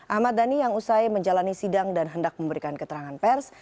ahmad dhani yang usai menjalani sidang dan hendak memberikan keterangan pers